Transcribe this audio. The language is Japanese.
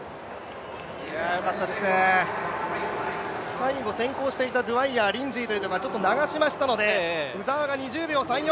最後先行していたドウァイヤー、リンジーといったところが流しましたので、鵜澤が２０秒３４。